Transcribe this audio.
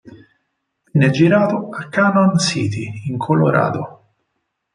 Venne girato a Canon City, in Colorado.